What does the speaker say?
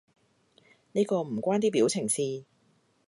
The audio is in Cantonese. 呢個唔關啲表情事